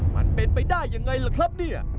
มันเป็นไปได้ยังไงล่ะครับเนี่ย